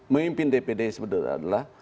memimpin dpd sebenarnya adalah